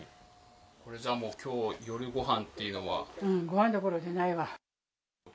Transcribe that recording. これじゃあ、きょう、もう、ごはんどころじゃないわ。